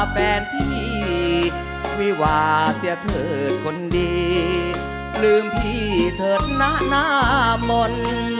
แฟนพี่วิวาเสียเถิดคนดีลืมพี่เถิดหน้ามนต์